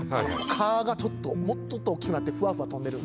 蚊がちょっともっと大きくなってふわふわ飛んでる。